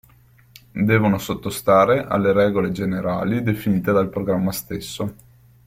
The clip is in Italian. Devono sottostare alle regole generali definite dal programma stesso.